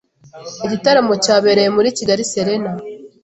Igitaramo cyabereye muri Kigali Serena